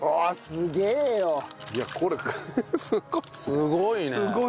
すごいな。